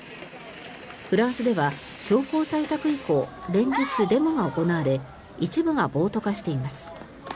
フランスでは強行採択以降連日、デモが行われ一部が暴徒化しています。